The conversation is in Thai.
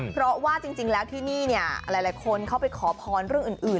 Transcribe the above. เพราะว่าคนนี้หลายคนเข้าไปขอพรเรื่องอื่น